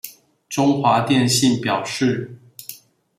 中華電信表示